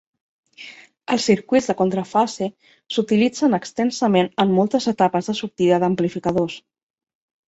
Els circuits de contrafase s'utilitzen extensament en moltes etapes de sortida d'amplificadors.